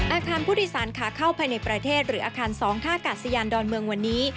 อาคารผู้โดยสารขาเข้าภายในประเทศหรืออาคาร๒ท่ากาศยานดอนเมืองวันนี้